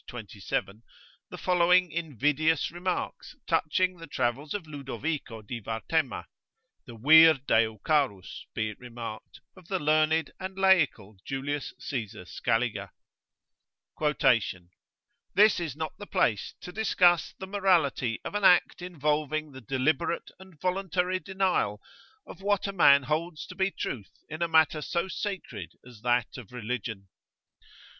xxvii.) the following invidious remarks touching the travels of Ludovico di Varthema the vir Deo carus, be it remarked, of the learned and laical Julius Caesar Scaliger: "This is not the place to discuss the morality of an act involving the deliberate and voluntary denial of what a man holds to be truth in a matter so sacred as that of Religion.